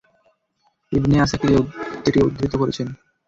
ইবনে Asakir এ উক্তিটি উদ্ধৃত করেছেন।